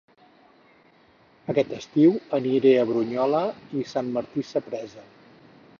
Aquest estiu aniré a Brunyola i Sant Martí Sapresa